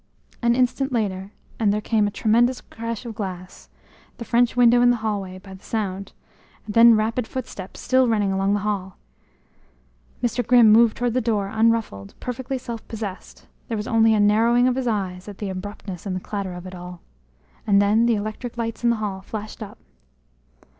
An instant later and there came a tremendous crash of glass the French window in the hallway by the sound then rapid footsteps, still running, along the hall. Mr. Grimm moved toward the door unruffled, perfectly self possessed; there was only a narrowing of his eyes at the abruptness and clatter of it all. And then the electric lights in the hall flashed up.